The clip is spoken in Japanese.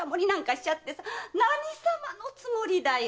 何さまのつもりだよ？